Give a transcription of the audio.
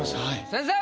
先生！